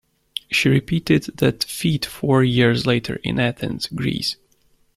She repeated that feat four years later in Athens, Greece.